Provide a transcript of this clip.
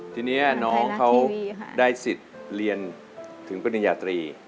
ทีนี้น้องเขาได้สิทธิ์เรียนถึงปริญญาตรี